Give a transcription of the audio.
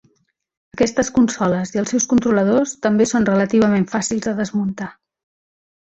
Aquestes consoles i els seus controladors també són relativament fàcils de desmuntar.